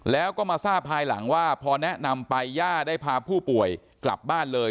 แล้วก็มาทราบภายหลังว่าพอแนะนำไปย่าได้พาผู้ป่วยกลับบ้านเลย